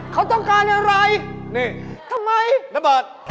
เขาต้องการอะไรทำไมน้ำเบิด